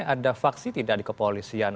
ada faksi tidak dikepolisian